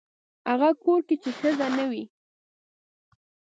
هغه کور کې چې ښځه نه وي.